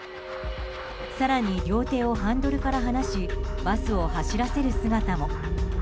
更に、両手をハンドルから離しバスを走らせる姿も。